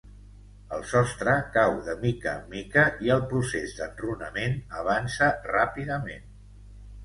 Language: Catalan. El sostre cau de mica en mica i el procés d’enrunament avança ràpidament.